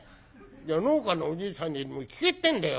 農家のおじいさんにでも聞けってんだよ。